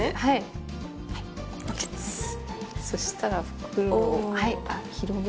そしたら袋を広げて。